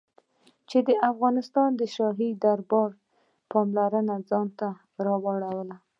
چې د افغانستان د شاهي دربار پاملرنه ځان ته را واړوي.